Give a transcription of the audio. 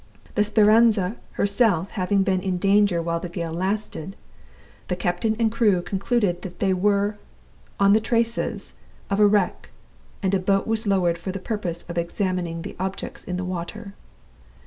The Speranza herself having been in danger while the gale lasted, the captain and crew concluded that they were on the traces of a wreck, and a boat was lowered for the purpose of examining the objects in the water.